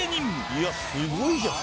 いやすごいじゃん。